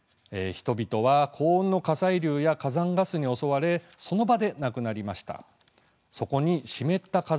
人々は高温の火砕流や火山ガスに襲われその場で亡くなりました。